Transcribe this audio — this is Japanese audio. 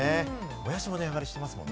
もやしも値上がりしてますもんね。